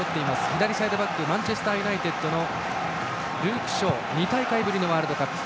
左サイドバックはマンチェスターユナイテッドのルーク・ショーは２大会ぶりのワールドカップ。